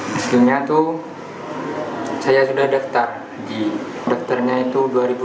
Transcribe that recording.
di studio itu saya sudah daftar di dokternya itu dua ribu dua puluh